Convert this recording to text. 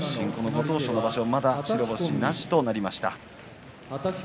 ご当所の場所まだ白星なしとなりました。